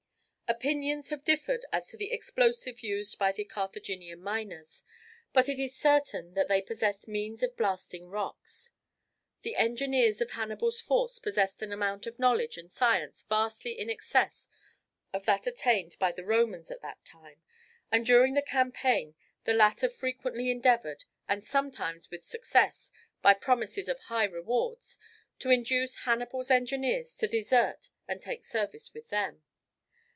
Opinions have differed as to the explosives used by the Carthaginian miners, but it is certain that they possessed means of blasting rocks. The engineers of Hannibal's force possessed an amount of knowledge and science vastly in excess of that attained by the Romans at that time, and during the campaign the latter frequently endeavoured, and sometimes with success, by promises of high rewards, to induce Hannibal's engineers to desert and take service with them.